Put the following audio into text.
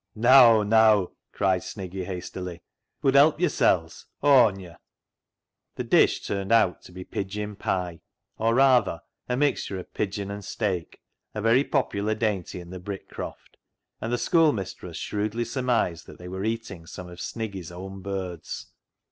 " Neaw, neaw !" cried Sniggy hastily, " bud help yo'rsels, aw on yer." The dish turned out to be pigeon pie, or rather a mixture of pigeon and steak, a very popular dainty in the Brick croft, and the schoolmistress shrewdly surmised that they were eating some of Sniggy's own birds.